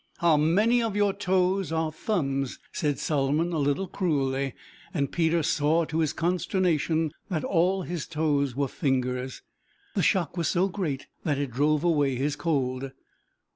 "How many of your toes are thumbs?" said Solomon a little cruelly, and Peter saw to his consternation, that all his toes were fingers. The shock was so great that it drove away his cold.